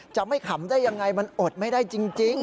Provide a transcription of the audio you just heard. จะไม่ขำได้ยังไงมันอดไม่ได้จริง